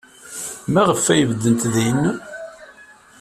Maɣef ay beddent din?